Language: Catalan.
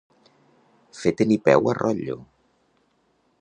Fer tenir peu a rotllo.